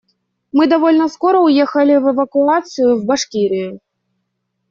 Мы довольно скоро уехали в эвакуацию в Башкирию.